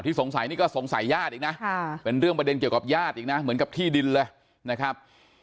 สงสัยนี่ก็สงสัยญาติอีกนะเป็นเรื่องประเด็นเกี่ยวกับญาติอีกนะเหมือนกับที่ดินเลยนะครับ